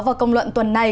và công luận tuần này